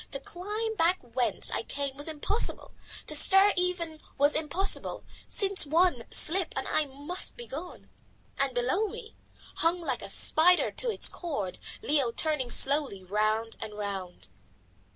To climb back whence I came was impossible, to stir even was impossible, since one slip and I must be gone. And below me, hung like a spider to its cord, Leo turning slowly round and round!